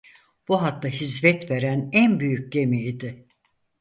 Bu hatta hizmet veren en büyük gemi idi.